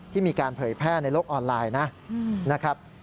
มีการเผยแพร่ในโลกออนไลน์นะครับ